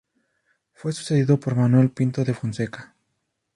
Fue sucedido por Manuel Pinto de Fonseca.